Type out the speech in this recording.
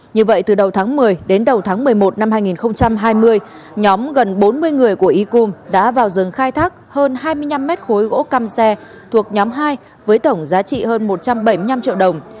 như vậy từ đầu tháng một mươi đến đầu tháng một mươi một năm hai nghìn hai mươi nhóm gần bốn mươi người của y cung đã vào rừng khai thác hơn hai mươi năm mét khối gỗ cam xe thuộc nhóm hai với tổng giá trị hơn một trăm bảy mươi năm triệu đồng